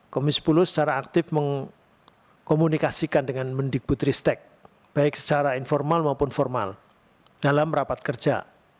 komisi sepuluh secara aktif mengkomunikasikan dengan mendikbutristek baik secara informal maupun formal dalam rapat kerja